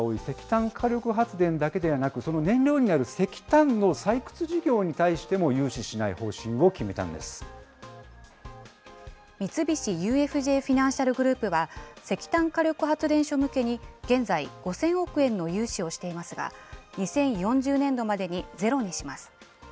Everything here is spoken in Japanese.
石炭火力発電だけではなく、その燃料になる石炭の採掘事業に対しても、融資しない方針を決めたん三菱ＵＦＪフィナンシャル・グループは、石炭火力発電所向けに現在、５０００億円の融資をしていますが、２０４０年度までにゼロにします。